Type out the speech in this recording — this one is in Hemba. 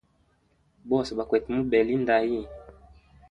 Bose bakwete mubela indu hayi.